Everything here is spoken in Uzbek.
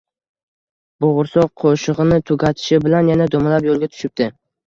Bo’g’irsoq qo’shig’ini tugatishi bilan yana dumalab yo’lga tushibdi